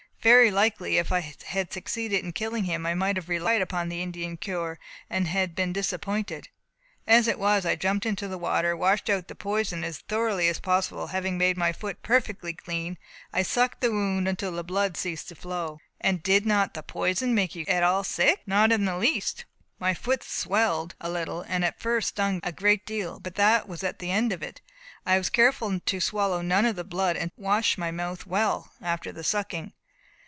Very likely if I had succeeded in killing him, I might have relied upon the Indian cure and been disappointed. As it was, I jumped into the water, washed out the poison as thoroughly as possible, and having made my foot perfectly clean, I sucked the wound until the blood ceased to flow." "And did not the poison make you at all sick?" "Not in the least. My foot swelled a little, and at first stung a great deal. But that was the end of it. I was careful to swallow none of the blood, and to wash my mouth well after the sucking."